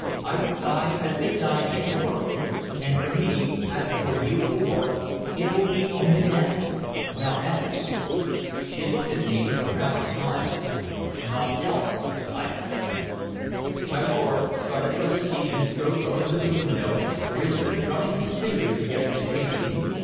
I will die as they died before me. And for me, as for you four, it will be only death, naught else." She looked at me with a proud smile. "Naught else," I said. My lord started from his seat and strode over to the window, where he stood drumming his fingers against the casing.